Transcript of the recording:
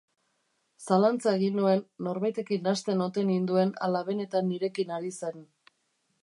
Zalantza egin nuen, norbaitekin nahasten ote ninduen ala benetan nirekin ari zen.